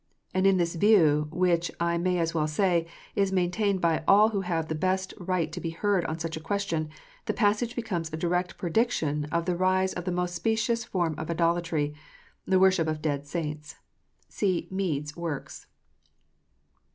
And in this view, which, I may as well say, is maintained by all those who have the best right to be heard on such a question, the passage becomes a direct prediction of the rise of that most specious form of idolatry, the worship of dead saints. (See Mode s Works.)